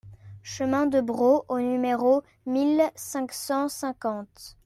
Chemin de Bro au numéro mille cinq cent cinquante